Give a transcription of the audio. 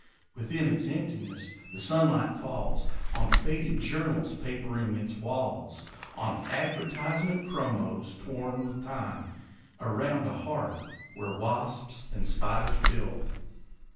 Within is emptiness: the sunlight falls On faded journals papering its walls; On advertisement chromos, torn with time, Around a hearth where wasps and spiders build.